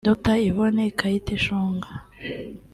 Dr Yvonne Kayiteshonga